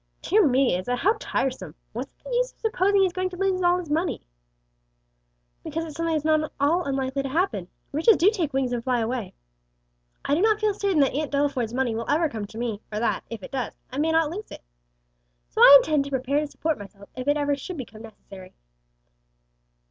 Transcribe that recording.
"Dear me, Isa, how tiresome! Where's the use of supposing he's going to lose his money?" "Because it's something not at all unlikely to happen; riches do take wings and fly away. I do not feel certain that Aunt Delaford's money will ever come to me, or that, if it does, I may not lose it. So I intend to prepare to support myself if it should ever become necessary."